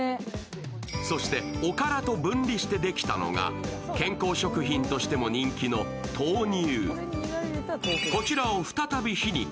そしておからと分離してできたのが健康食品としても人気の豆乳。